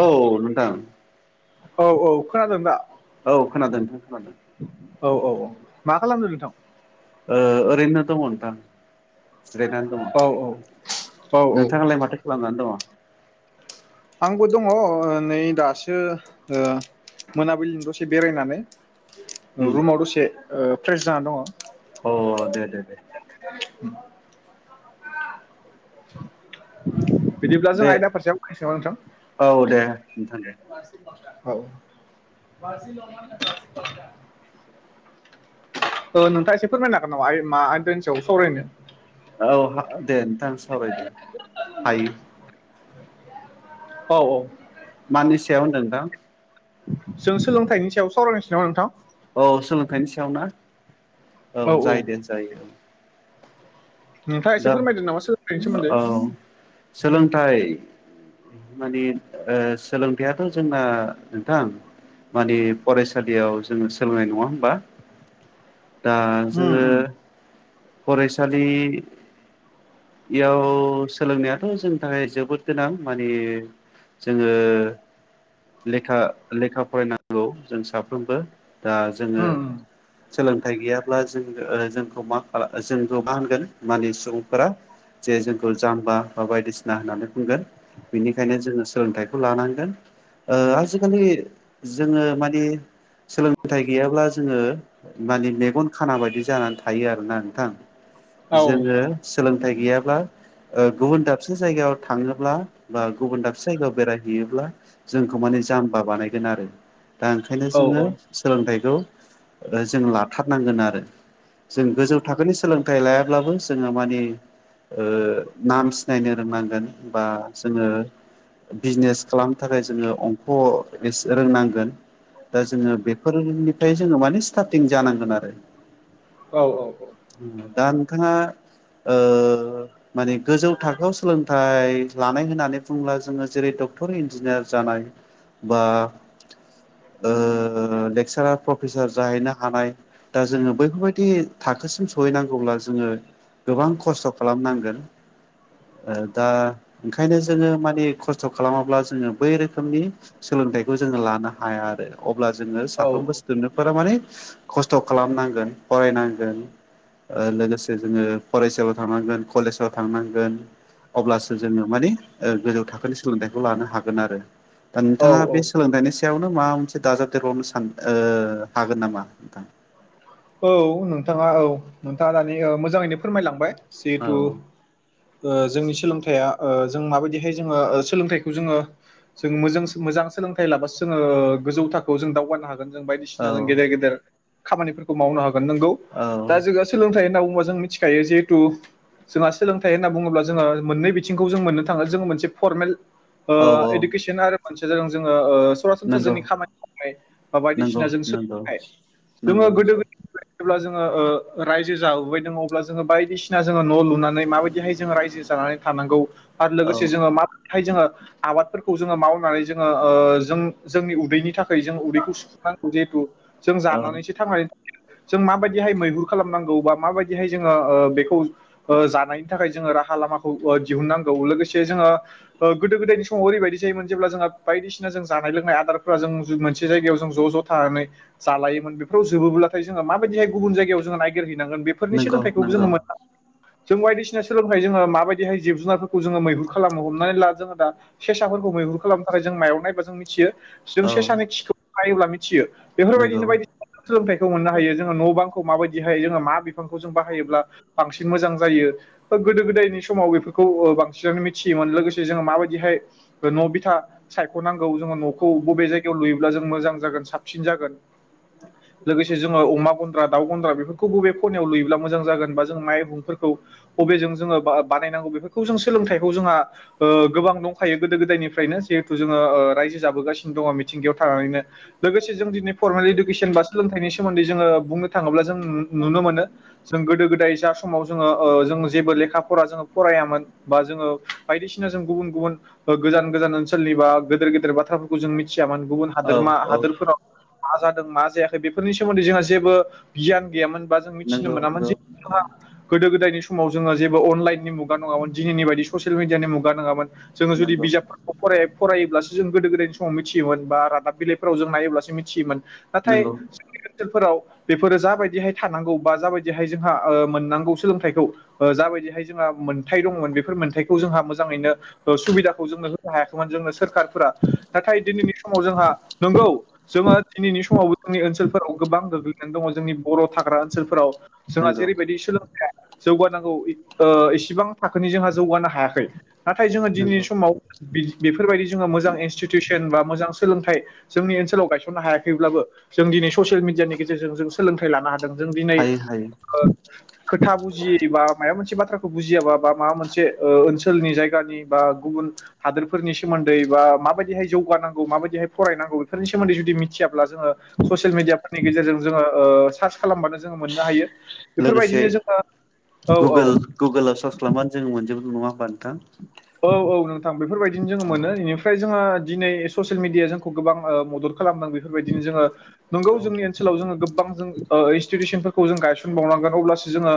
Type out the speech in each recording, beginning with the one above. औ नोंथां औ औ खोनादों दा औ खोनादों नोंथां खोनादों औ औ औ मा खालामदों नोंथां ओ ओरैनो दं नोंथां जिरायनानै दङ औ औ औ औ नोंथाङालाय माथो खालामनानै दङ आवबो दङ' ओ नै दासो ओ मोनाबिलि दसे बेरायनानै उम रुमाव दसे ओ फ्रेस जानानै दङ'। अ दे दे दे। [inaudible] बिदिब्ला जों दे आयदा फारसेयाव बुंनोसै नामा नोंथां? औ दे नोंथां दे औ। ओ नोंथांआ एसे फोरमायनो हागोन नामा आइ मा आयदानि सायाव सावरायनो? औ [unintelligible] दे नोंथांं सावरायदो हायो। औ औ मानि सायाव होनदों नोंथां? जों सोलोंथाइनि सायाव सावरायनोांसै नामा नोंथां? औ सोलोंथाइनि सायाव ना औ औ औ जायो दे जायो औ। नोंथाङा एसे दा फोरमायदो नामा सोलोंथाइनि सोमोन्दै ओव सोलोंथाइ माने ओ सोलोंथाइआथ' जोंना नोंथां माने फरायसालियाव जोङो सोलोंनाय नङा होमबा? ओ उम जोङो उम फरायसालि [inaudible] याव सोलोंनायाथ' जोंनि थाखाय जोबोद गोनां माने जोङो लेखा लेखा फरायनांगौ जों साफ्रोमबो दा जोङो उम उम सोलोंथाइ गैयाब्ला जों ओ जोंखौ मा खाला जोंखौ मा होनगोन माने सुबुंफोरा जे जोंखौ जाम्बा बा बायदिसिना होननानै बुंगोन बेनिखायनो जोङो सोलोंथाइखौ लानांगोन। ओ आजिखालि जोङो मानि सोलोंथाइ गैयाब्ला जोङो मानि मेगन खाना बायदि जानानै थायो आरोना नोंथां। औ जोङो सोलोंथाइ गैयाब्ला ओ गुबुन दाबसे जायगायाव थाङोब्ला बा गुबुन दाबसे जायगायाव बेरायहैयोब्ला जोंखौ माने जाम्बा बानायगोन आरो दा ओंखायनो औ जोङो सोलोंथाइखौ जों लाथारनांगोन आरो जों गोजौ थाखोनि सोलोंथाइ लायाब्लाबो जोङो मानि ओक्षनाम सिनायनो रोंनांगोन बा जोङो बिजनेस खालामनो थाखाय जोङो अंख' एसे रोंनांगोन। दा जोङो बेफोरनिफ्राय जोङो माने स्टारटिं जानांगोन आरो। औ औ औ। दा नोंथाङा ओ माने गोजौ थाखोआव सोलोंथाइ लानाय होननानै बुङोब्ला जोङो जेरै डक्टर, इन्जिनियार जानाय बा ओ लेक्सारार प्रफेसार जाहैनो हानाय दा जोङो बैफोरबायदि थाखोसिम सहैनांगौब्ला जोङो गोबां खस्थ' खालामनांगोन। ओ दा ओंखायनो जोङो मानि खस्थ' खालामाब्ला जोङो बै रोखोमनि सो सोलोंथाइखौ जोङो लानो हाया आरो अब्ला जोङो औ साफ्रोमबो स्टुडेन्टफोरा माने खस्थ' खालामनांगोन फरायनांगोन ओ लोगोसे जोङो फरायसालियाव थांनांगोन, कलेजाव थांनांगोन अब्लासो जोङो मानि गोजौ ओ थाखोनि सोलोंथाइखौ लानो हागोन आरो। दा औ नोंथाङा औ बे सोलोंथाइनि सायावनो माबा मोनसे दाजाबदेरबावनो सान ओ हागोन नामा नोंथां? औ नोंथाङा औ नोंथाङा दानि मोजाङैनो फोरमायलांबाय जिहेथु औ जोंनि ओ सोलोंथाइया ओ जों माबायदिहाय जोङो सोलोंथाइखौ जोङो जों मोजां मोजां सोलोंथाइ लाबासो जोङो गोजौ थाखोआव जों दावगानो हागो [unintelligible] बायदिसिना जों औ गेदेर गेदेर खामानिफोरखौ मावनो हागोन नोंगौ दा औ जोंहा सोलोंथाइ होन्ना बुङोल्बा अ' जों मिथिखायो जिहेथु। जोंहा सोलोंथाइ होनना बुङोब्ला जोङो मोननै बिथिंखौ जों मोननो थाङो जोङो मोनसे फरमेल। ओ औ इडुकेसन आरो मोनसेया जादों जोङो ओ सरासनस्रा नंगौ जोंनि खामानि मावनाय बा नंगौ बायदिसिना जों नंगौ सोलों नंगौ जोङो नंगौ गोदो-गो जेब्ला जोङो ओ रायजो जाबोबायदों अब्ला जोङो बायदिसिना जोङो न' लु नानै माबायदिहाय जङो रायजो जानानै थानांगौ आरो औ लोगोसे जोङो मा हाय जोङो आबादफोरखौ जोङो मावनानै जोङो ओ जों जोंनि उदैनि थाख जों उदैखौ सुफुननांगौ जिहेथु जों औ जानानैसो थांनानै दं। जों माबायदिहाय मैहुर खालामनांगौ बा माबायदिहाय जोङो ओ बेखौ ओ जानायनि थाखाय जों। ओ राहा लामाखौ ओ दिहुनांग लोगोसे जोङो गोदो गोदायनि समाव ओरैबायदि जायोमोन जेब्ला जोंहा बाय दिसिना जानाय लोंनाय आदारफोरा जों मोनसे जाय जों ज'-ज' थानानै जालायोमोन बेफोराव जोबोब्ला। नाथाय जोङो माबायदिहाय गुबुन जायायाव जोङो नागिरहैनांगोन बेफोरनि नंगौ सोलोंथाइखौबो जोङो नंगौ मो जों बायदिसिना सोलोंथाइ जोङो माबायदिहाय जिब जुनारफोरखौ जोङो मैहुर खालामनो हमनानै ला जोङो दा सेसा खौ मैहुर खालामनो थाखाय जों मायाव नायबा जों मिथियो। जों औ से सानै खिखौ नायोब्ला मिथियो नंगौ बेफोरबायदिनो बायदिसिना सोलोंथाइ। मोननो हायो न' बां मायदिायो जोो मा बिफांखौ जों बाहायोब्ला बांसिन मोजां जायो। गोद गोदायनि समाव बेफोरखौ ओ बांसिनानो मिथियोन लोगोसे जों माबायदिहाय न' बिथा सायख'नां जोङो न'खौ बबे जायगायाव लुयोब्ला जों मोजां जागोन साबसिन जागोन। लोगोसे जोङो अमा गन्द्रा दाउ गन्द्रा बेफोरखौ बबे खनायाव लुयोब्ला मोजां जागोन बा जों माइबंफोरखौ बबेजों जों। जोङो बानायनांगौ बेफोरखौ जों सोलोंथाइखौ जोंहा ओ गोबां दंखायो गोदो गोदायनिफ्रायनो जिहेथु जोङो ओ रायजो जाबोगासिनो दङ मिथिंगायाव थानानैनो लोगोसे जों दिनै फरमेल इडुकेसन बा सोलोंथाइनि सोमोनदै जोङो बुंनो थाङोब्ला जों नु- नुनो मोनो जों गोदाय जा समाव जोङो ओ। जेबो लेखा फरा जों फरायामोना जों बायदिसिना जों गुबुन गुब गोजान गोजान ओन्सोल ओनसोलनि बा गोदोर गोदोर बाथ्राफोरखौ जों मिथियामोन गुबुन औ हादोरा औ हादोरफोराव मा जादों मा जायाखै। बेफोरनि सोमोन्दै जोंहा जेबो गियान गैयामोन बा जों मिथिनो नंगौ मोनामोन नंगौ जे जोंहा गोदो गोदायनि समाव समाव जोङो जेबो अनलाइननि मुगा नङामोन दिनैनि बदि ससियेल मिडियानि मुगा नङामोन। जोङो जुदि नंगौ बिजाबफोरखौ फराय फरायोब्लासो जों गोदो गोदायनि समाव मिथियोमोन बा रादाब बिलाइफोराव जों नायोब्लासो मिथियोमोन नाथाय नंगौ फोराव बेफोरो जाबायदिहाय थानांगौ बा जाबायदिहाय जोंहा ओ मोननांगौ सोलोंथाइखौ ओ जा बेफोरबायदिहाय जोंहा मोनथाय दंमोन बेफोर मोनखौ जोंहा मोजाङैनो ओ सुबिखौ जों होनो हायाखैमोन जोंनो सोर नाथाय दिनैनि समाव जोंहा नंगौ जोङो दिनैनि समाव जोंनि ओनसोलफोराव गोबां गोग्लैनानै दङ जोंनि बर' थाग्रा ओनसोलफोराव। जोंहा नंगौ जेरैबायदि सोलोंथखय जौगानांगौ ओ इसिबां थाखोनि जोंहा जौगानो हायाखै। नाथाय जोङो नंगौ दिनैनि समाव बेफोरबायदि जोङो मोजां इनस्टिटिउसन बा मोजां सोलोंथाइ जोंनि ओनसोलाव गायसननो हायाखैब्लाबो जों दिनै ससियेल मिडियानि गेजेरजों जों सोलोंथाइ लानो हा जों-जों दिनै हायो हायो ओ खोथा बुजि बा माबा मोनसे बाथ्रा बुजियाबा बा माबा मोनसे ओ ओनसोलनि जायगानि बा गुबुन हादोरफोरनि सोमोन्दै बा माबायदिहाय जौगानांगौ माबायदिहाय फरायनांगौ बेफोरनि सोमोन्दै जुदि मिथियाब्ला जोङो। ससियेल मिडियाफोरनि गेजेरजों जोङो ओ सार्च खालामबानो जोङो मोननो हायो। लोगोसे बेफोरबायदिनो जोङो औ गुगोल औ गुगोलाव सार्च खालामबानो जों मोनजोबो नङा होमबा नों औ-औ नोंथां बेफोरबायदिनो जोङो औ मोनो इनिफ्राय जोङो दिनै ससियेल मिडिया जोंखौ गोबां ओ मदद खालामदों बेफोरबायदिनो जोङो नंगौ औ जोंनि ओनसोलाव जोङो गोबां जों ओ इनस्तितिउसनफोरखौ जों गायसनबावनांगोन अब्लासो जोङो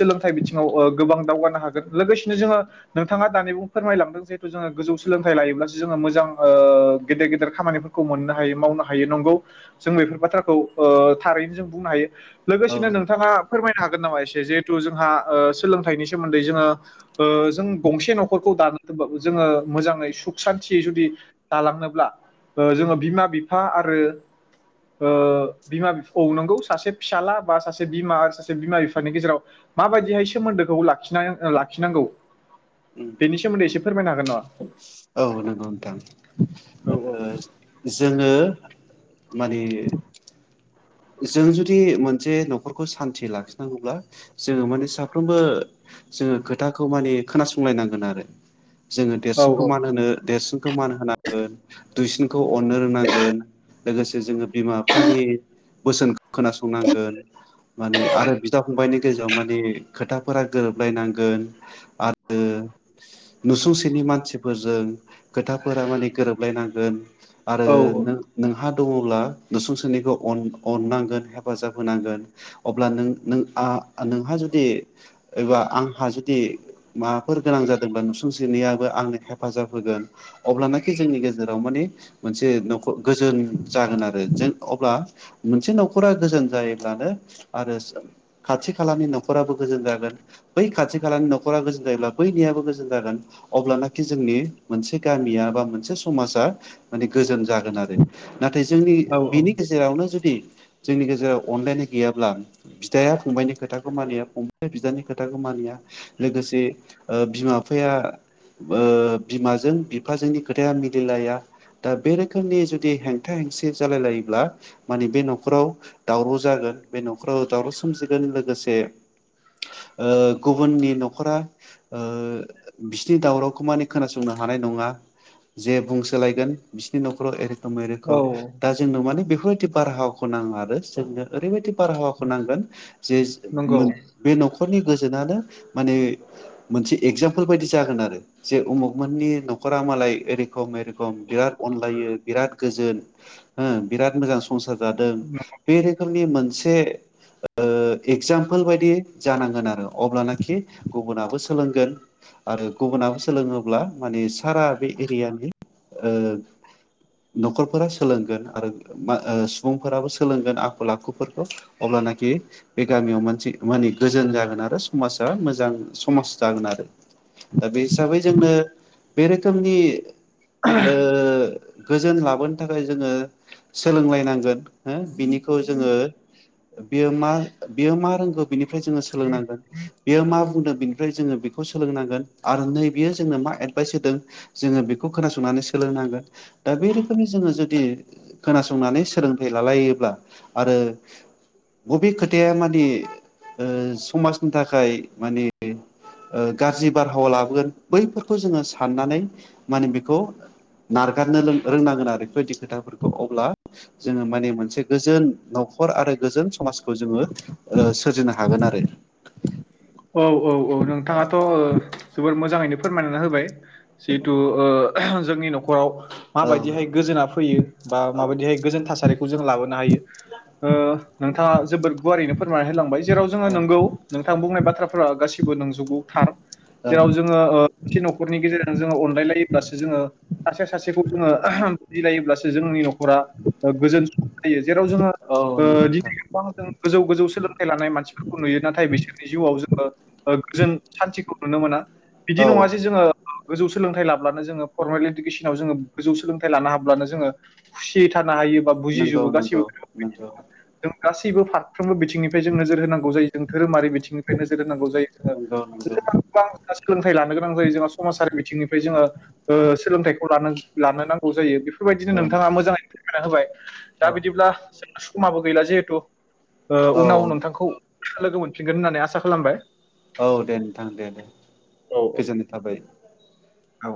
सोंलोंथाय बिथिङाव ओ गोबां दावगानो हा हागोन लोगोसेनो जोङो नोंथाङा दानि बुं फोरमायलांदों जिहेथु जोङो गोजौ सोलोंथाइ लायोब्लासो जोङो मोजां ओ गेदेर - गेदेर खामानिफोर खौ मोननो हायो मावनो हायो नंगौ जों बेफोर बाथ्राखौ ओ थारैनो जों बुंनो हायो। लोगोसेनो औ नोंथाङा फोरमायनो हागोन नामा एसे जिहेथु जोंहा ओ सोलोंथाइनि सोमोन्दै जोङो ओ जों गंसे न'खरखौ दानो दोनबा जोङो मोजाङै सुख सान्तियै जुदि दालांनोब्ला ओ जोङो बिमा बिफा आरो ओ बिमा बिफ औ नंगौ सासे फिसाला बा सासे बिमा सासे बिमा बिफानि गेजेराव माबायदिहाय सोमोन्दोखौ लाखिनाय ओ लाखिनांगौ। बेनि सोमोन्दै एसे फोरमायनो हागोन नङा। औ नंगौ नोंथां। औ - औ। जोङो माने जों जुदि मोनसे न'खरखौ सान्थि लाखिनांगौब्ला जोङो माने साफ्रोमबो जोङो खोथाखौ माने खोनासंलायनांगोन आरो। जोङो देरसिनखौ औ मान होनो देरसिनखौ मान होनांगोन दुइसिनखौ अननो रोंनांगोन। लोगोसे जोङो बिमा बिफानि बोसोनख खोनासंनांगोन माने आरो बिदा फंबायनि गेजेराव माने खोथाफोरा गोरोबलायनांगोन। आरो नुसुंसेनि मानसिफोरजों खोथाफोरा माने गोरोबलायनां गोन आरो औ नों-नोंहा दङब्ला नुसुंसेनिखौ अन-अननांगोन हेफाजाब होनांगोन अब्ला नों - नों आ नोंहा जुदि एबा आंहा जुदि माबाफोर गोनां जादोंब्ला नुसुंसेनियाबो आंनो हेफाजाब होगोन। अब्लानोखि जोंनि गेजेराव माने मोनसे न'खो गोजोन जागोन आरो जों अब्ला मोनसे न'खरा गोजोन जायोब्लानो आरोस खाथि खालानि न'खराबो गोजोन जागोन। बै खाथि खालानि न'खरा गोजोन जायोब्ला बैनियाबो गोजोन जागोन अब्लानाखि जोंनि मोनसे गामि या बा मोनसे समासआ माने गोजोन जागोन आरो नाथाय जोंनि औ बिनि गेजेरावनो दि जोंनि गेजेराव अनलायनाय गैयाब्ला बिदाया फंबायाइनि खोथाखौ मानिया फंबाया बिदानि खोथाखौ मानिया लोगोसे ओ बिमा बिफाया ओ बिमाजों बिफाजोंनि खोथाया मिलायलाया दा बे रोखोमनि जुदि हेंथा हेंसि जालाय लायोब्ला माने बे न'खराव दावराव जागोन बे न'खराव दावराव सोमजिगोन लोगोसे ओ गुबुननि न'खरा ओ बिसिनि दावरावखौ माने खोनासंनो हानाय नङा जे बुंसोलायगोन बिसोरनि न'खराव एरै ए रखम ए रखम औ दा जोंनाव माने बे बारहावाखौ नाङा आरो जोंनो ओरैबायदि बारहावाखौ नांगोन जेस नंगौ मोन बे न'खरनि गोस नानो माने मोनसे एगजामपुल बायदि जागोन आरो जे अमुक मोननि न'खरा माला ओइ ऐ रखम ऐ रखम बिराद अनलायो बिराद गोजोन हो बिराद मोजां स' संसार जादों बे रोखोमनि मोनसे ओ एक्जामपोल बायदि जानांगोन आरो अब्लानोखि गुबुनाबो सोलोंगोन। आरो गुबुनाबो सोलोङोब्ला माने सारा बे एरियानि ओ न'खरफोरा सोलोंगोन आरो मा ओ सुबुंफोराबो सोलोंगोन आखल आखुफोरखौ अब्लानाखि बे गामियाव मानसे माने गोजोन मोजां जागोन आरो समाजा मोजां समाज जागोन आरो। [inaudible] दा बे हिसाबै नंगौ जोंनो बे रोखोमनि ओ [unintelligible] गोजोन लाबोनो थाखाय जोङो सोलोंलायनांगोन हो बिनिखौ जोङो बेयो मा बेयो मा रोंगौ बिनिफ्राय जोङो सोलोंनांगोन बेयो मा बुंदों बिनिफ्राय जोङो बिख खौ सोलोंनांगोन आरो नैबेयो जोंनो मा एडभाइस होदों जोङो बेखौ खोनासंनानै सोलोंनांगोन। दा बे रोखोमनि जोङो जुदि खोनासंनानै सोलोंथाइ लालायोब्ला आरो बबे खोथाया मादि ओ समाजनि थाखाय माने ओ गाज्रि बारहावा लाबोगोन बैफोरखौ जोङो साननानै माने बेखौ नारगारनो लों रोंनांगोन आरो बेफोरबायदि खोथाफोरखौ। अब्ला जोङो माने मोनसे गोजोन न'खर आरो गोजोन समाजखौ जोङो ओ सोरजिनो हागोन आरो। औ औ औ नोंथाङाथ' ओ जोबोद मोजाङैनो फोरमायनानै होबाय जिहेतु ओ जोंनि न'खराव माबायदिहाय गोजोना फैयो बा औ माबायदिहाय गोजोन थासारिखौ जों लाबोनो हायो ओ नोंथाङा जोबोद गुवारैनो फोरमायनानै होलांबाय जेराव जोङो नोंगौ नोंथा बुंनाय बाथ्रा बाथ्राफ्रा गासिबो नोंजोबगौ थार। औ जेराव जोङो ओ मोनसे न'खरनि गेजेरजों जोङो अनलायलायोब्लासो जोङो सासेया सासेखौ जोङो मिलायोब्लासो जोंनि न'खरा ओ गोजोन सुख थायो जेराव जोङो औ ओ नंगौ नोंथां दिनै गोबां जों गोजौ गोजौ सोलोंथाइ लानाय मानसिफोरखौ नुयो नाथाय बिसोरनि जिउआव जोङो ओ गोजोन सान्थिखौ नुनो मोना बिदि औ नङा जे जोङो गोजौ सोलोंथाइ लाब्लानो जोङो फरमेल इदुकेसनाव जोङो गोजौ सोलोंथाइ लानो हाब्लानो जोङो खुसियै था हायो बा नंगौ बुजिजोबो गासैबो नंगौ नंगौ खोथाफोरखौनो जों गासैबो फारफ्रोमबो बिथिंनिफ्राय जों नोजोर होनांगौ जायो जों धोरोमारि बिथिं नोजोर होनांगौ जायो नंगौ नंगौ सोलोंथाइ लानो गोनां जायो जोंहा समाजआरि बिथिंनिफ्राय जोङो ओ सोलोंथाइखौ लानो लानोनांगौ जायो बेफोरबायदिनो औ नोंथाङा मोजाङै फोरमायना होबाय दा बिदिब्ला समाबो गैला जिहेथु ओ औ उनाव नोंथांखौ लोगो मोनफिनगोन होननानै आसा खालामबाय। औ दे नोंथां दे दे औ गोजोननाय थाबाय। औ।